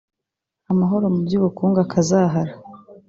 amahoro mu by’ubukungu akazahara